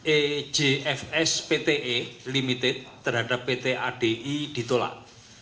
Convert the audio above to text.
ejfs pte limited terhadap pt adi ditolak